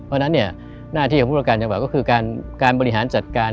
เพราะฉะนั้นหน้าที่ของผู้ประการจังหวัดก็คือการบริหารจัดการ